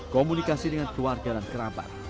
komunikasi dengan keluarga dan kerabat